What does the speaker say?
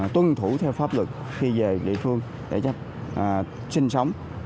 tuân thủ theo pháp luật khi về địa phương để sinh sống